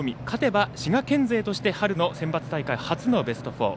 勝てば滋賀県勢として春のセンバツ初のベスト４。